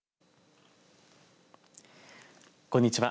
こんにちは。